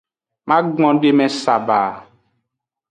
Magbondeme saba.